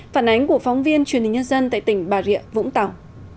phản ánh của phóng viên truyền hình nhân dân tại tỉnh bà rịa vũng tàu